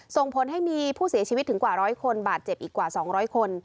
ส่งผลให้มีผู้เสียชีวิตถึงกว่า๑๐๐คนบาดเจ็บอีกกว่า๒๐๐คน